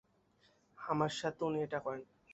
আমার সাথে উনি এটা করেন।